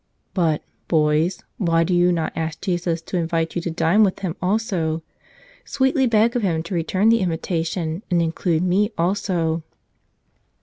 "But, boys, why do you not ask Jesus to invite you to dine with Him also? Sweetly beg of His to return the invitation; and include me also."